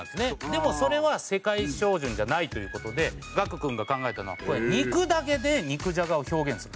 でもそれは世界標準じゃないという事で岳君が考えたのは肉だけで肉じゃがを表現するんです。